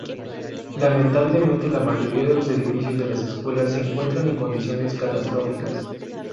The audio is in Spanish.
Lamentablemente la mayoría de los edificios de las escuelas se encuentran en condiciones catastróficas.